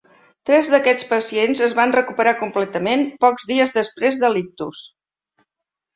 Tres d'aquests pacients es van recuperar completament pocs dies després de l'ictus.